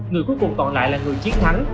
người cuối cùng còn lại là người chiến thắng